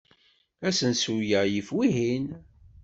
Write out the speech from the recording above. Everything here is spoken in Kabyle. Asensu-a yif wihin.